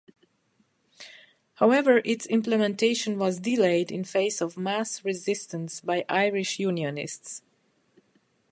However, its implementation was delayed in the face of mass resistance by Irish Unionists.